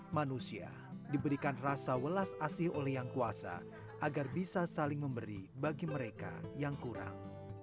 manusia diberikan rasa welas asih oleh yang kuasa agar bisa saling memberi bagi mereka yang kurang